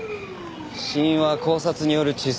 死因は絞殺による窒息死。